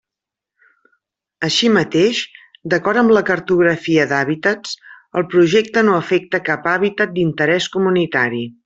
Així mateix, d'acord amb la cartografia d'hàbitats el projecte no afecta cap hàbitat d'interès comunitari.